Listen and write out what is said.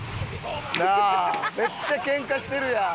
なあめっちゃけんかしてるやん。